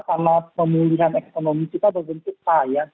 karena pemulihan ekonomi kita berbentuk payah